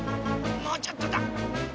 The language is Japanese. もうちょっとだ。